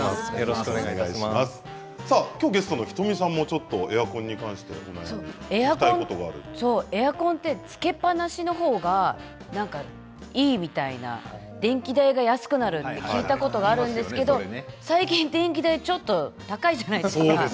きょうゲストの仁美さんもエアコンに関してはエアコンってつけっぱなしのほうがいいみたいな電気代が安くなると聞いたことがあるんですけど最近、電気代ちょっと高いじゃないですか。